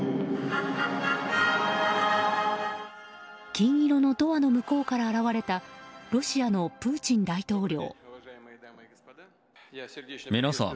金色のドアの向こうから現れたロシアのプーチン大統領。